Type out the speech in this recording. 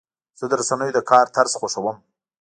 زه د رسنیو د کار طرز خوښوم.